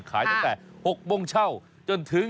ขายตั้งแต่๖โมงเช่าจนถึง